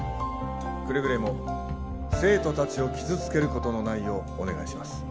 くれぐれも生徒達を傷つけることのないようお願いします